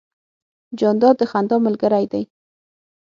جانداد د خندا ملګری دی.